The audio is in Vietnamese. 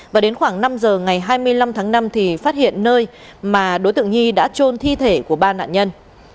và đến khoảng năm giờ ngày hai mươi năm tháng năm thì phát hiện nơi mà đối tượng nhi đã trôn thi thể của ba nạn nhân